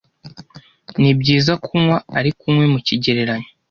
Nibyiza kunywa, ariko unywe mukigereranyo.